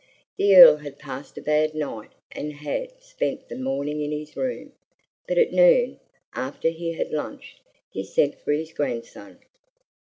The Earl had passed a bad night and had spent the morning in his room; but at noon, after he had lunched, he sent for his grandson.